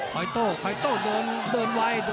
คอยโตคอยโตเดินไวโดนซอก